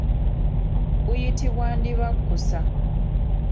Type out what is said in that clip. Buyitibwa ndibakkusa.